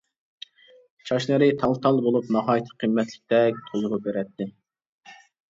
چاچلىرى تال-تال بولۇپ ناھايىتى قىممەتلىكتەك تۇيغۇ بېرەتتى.